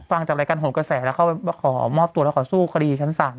ฟังจากรายการโหนกระแสแล้วเขาขอมอบตัวแล้วขอสู้คดีชั้นศาล